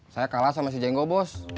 saya kalah sama si janggo bos